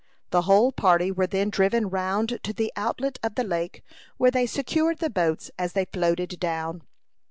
The whole party were then driven round to the outlet of the lake, where they secured the boats as they floated down.